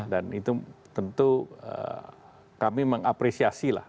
dan itu tentu kami mengapresiasi lah